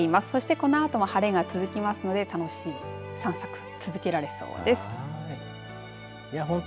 このあとも晴れが続きますので楽しい散策続けられそうです。